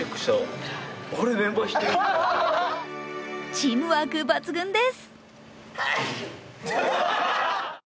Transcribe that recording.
チームワーク抜群です。